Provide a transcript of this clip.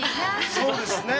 そうですね。